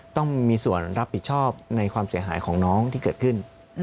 ต้องมีส่วนรับผิดชอบในความเสียหายของน้องที่เกิดขึ้น